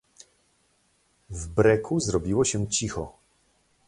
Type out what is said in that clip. "W breku zrobiło się cicho."